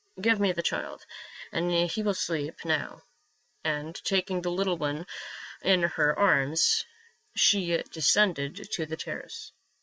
Give me the child ; he will sleep now," and taking the little one in her arms she de scended to the terrace.